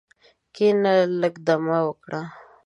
کښېنه، لږ دم وکړه.